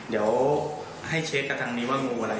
เห็นกู้ไผลของอาจารย์อยู่ว่าเป็นงูอะไร